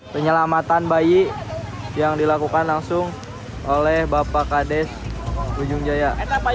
penyelamatan bayi yang dilakukan langsung oleh bapak kades ujung jaya